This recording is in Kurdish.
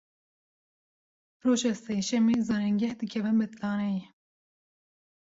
Roja sêşemê zanîngeh dikevin betlaneyê.